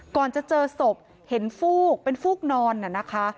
ก่อนจะเจอศพเห็นฟูกเป็นฟูกนอนน่ะนะคะ